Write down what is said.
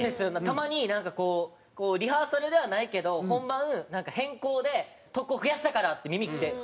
たまになんかこうリハーサルではないけど本番変更で特効増やしたからって入ってきて。